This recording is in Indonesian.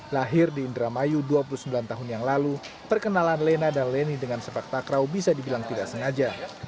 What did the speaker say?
lahir di indramayu dua puluh sembilan tahun yang lalu perkenalan lena dan leni dengan sepak takraw bisa dibilang tidak sengaja